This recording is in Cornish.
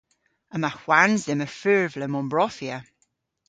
Yma hwans dhymm a furvlen ombrofya.